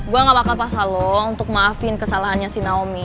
gue gak bakal pasangan long untuk maafin kesalahannya si naomi